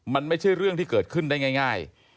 มันไม่ใช่เรื่องที่เกิดขึ้นได้ง่าย